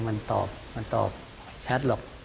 มันตอบมันตอบชัดหรอก